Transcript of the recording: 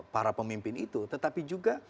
para pemimpin itu tetapi juga